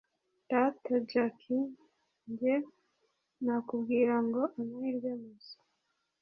rata jack njye nakubwira ngo amahirwe masa